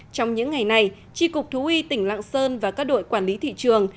trong những ngày này tri cục thú y tỉnh lạng sơn và các đội quản lý thị trường